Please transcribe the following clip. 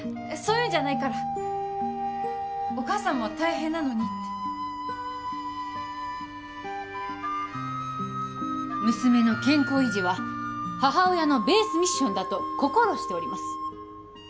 そういうんじゃないからお母さんも大変なのにって娘の健康維持は母親のベースミッションだと心しております